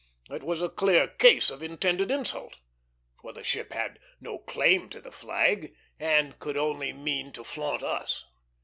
It was a clear case of intended insult, for the ship had no claim to the flag, and could only mean to flaunt us.